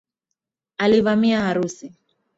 Alivamia harusi